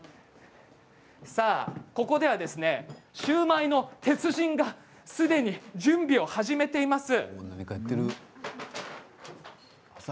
ここではシューマイの鉄人がすでに準備を始めています。